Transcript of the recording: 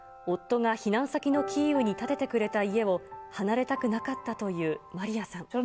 夫が避難先のキーウに建ててくれた家を離れたくなかったというマリヤさん。